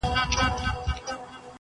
په لستوڼي کي خنجر د رقیب وینم -